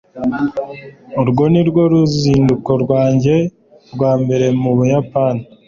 Urwo nirwo ruzinduko rwanjye rwa mbere mu Buyapani